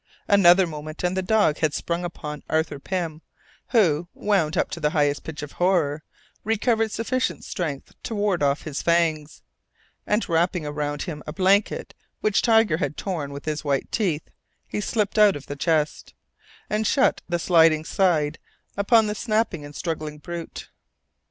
Another moment and the dog had sprung upon Arthur Pym, who, wound up to the highest pitch of horror, recovered sufficient strength to ward off his fangs, and wrapping around him a blanket which Tiger had torn with his white teeth, he slipped out of the chest, and shut the sliding side upon the snapping and struggling brute.